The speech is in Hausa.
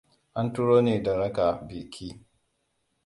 An turo ni na raka ki.